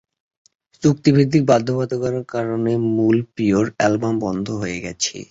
চুক্তিভিত্তিক বাধ্যবাধকতার কারণে মূল "পিওর" অ্যালবাম বন্ধ হয়ে গেছে।